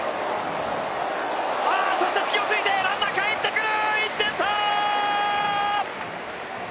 そして隙をついて、ランナー帰ってくる。